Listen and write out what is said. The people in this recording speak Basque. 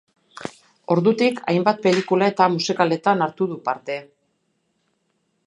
Ordutik hainbat pelikula eta musikaletan hartu du parte.